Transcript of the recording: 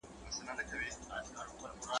څه زه بد وم، څه دښمنانو لاسونه راپسي وټکول.